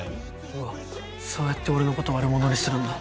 うわっそうやって俺のこと悪者にするんだ。